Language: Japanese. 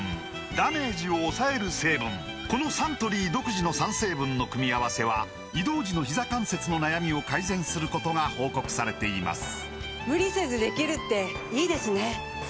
このサントリー独自の３成分の組み合わせは移動時のひざ関節の悩みを改善することが報告されています